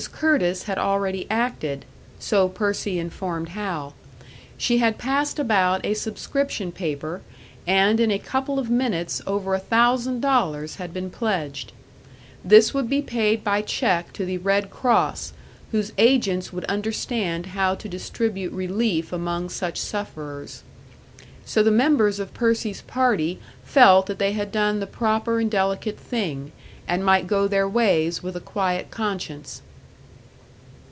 Curtis had already acted, so Percy informed Hal; she had passed about a subscription paper, and in a couple of minutes over a thousand dollars had been pledged. This would be paid by check to the "Red Cross," whose agents would understand how to distribute relief among such sufferers. So the members of Percy's party felt that they had done the proper and delicate thing, and might go their ways with a quiet conscience.